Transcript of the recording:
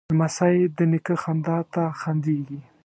لمسی د نیکه خندا ته خندېږي.